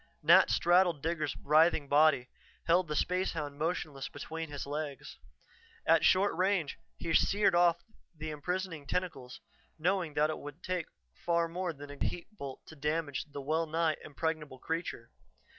Nat straddled Digger's writhing body, held the spacehound motionless between his legs. At short range, he seared off the imprisoning tentacles, knowing that it would take far more than a heat bolt to damage the well nigh impregnable creature.